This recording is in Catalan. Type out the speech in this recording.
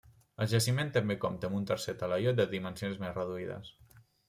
El jaciment també compta amb un tercer talaiot de dimensions més reduïdes.